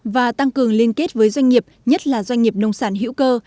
và tăng cường liên kết với doanh nghiệp nhất là doanh nghiệp nông sản hữu cơ